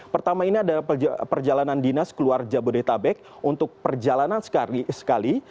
pertama ini adalah perjalanan dinas keluar jabodetabek untuk perjalanan sekali